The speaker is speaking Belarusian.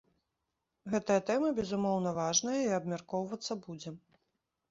Гэтая тэма, безумоўна, важная і абмяркоўвацца будзе.